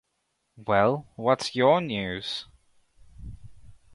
Well, what's your news?